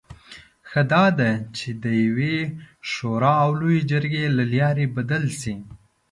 ښه دا ده چې د یوې شورا او لویې جرګې له لارې بدل شي.